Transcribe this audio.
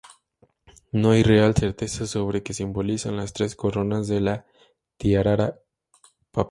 No hay real certeza sobre que simbolizan las tres coronas de la tiara papal.